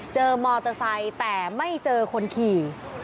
เจอมอเตอร์ไซค์แต่ไม่เจอคนขี่